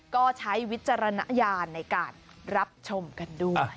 ก็ใช้วิจารณญาณในการรับชมกันด้วย